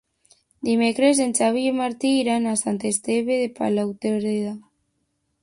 Dimecres en Xavi i en Martí iran a Sant Esteve de Palautordera.